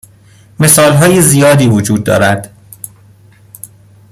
مثال های زیادی وجود دارد.